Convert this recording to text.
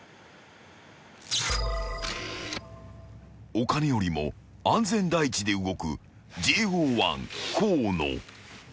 ［お金よりも安全第一で動くＪＯ１河野］